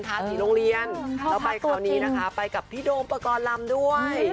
ถ้าสิ่งโรงเรียนไปกับพี่โดมปะกอลรำด้วย